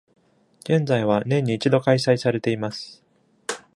現在は年に一度開催されています。